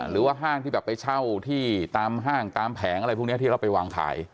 ห้างที่แบบไปเช่าที่ตามห้างตามแผงอะไรพวกนี้ที่เราไปวางขาย